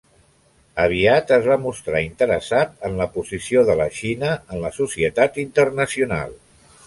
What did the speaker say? Aviat es va mostrar interessat en la posició de la Xina en la societat internacional.